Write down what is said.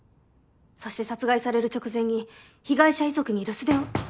そして殺害される直前に被害者遺族に留守電を。